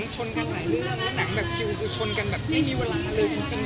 ผมก็ที่ไอจีก็ขึ้นแล้วว่าผมไม่ทำงานแล้วนะตอนนี้